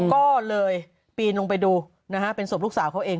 ก็เลยปีนลงไปดูนะฮะเป็นศพลูกสาวเขาเอง